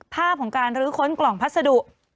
ภาพของการรู้ข้นกล่องภาษาดุ